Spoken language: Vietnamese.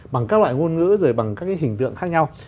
bằng các loại ngôn ngữ rồi bằng các cái hình tượng khác nhau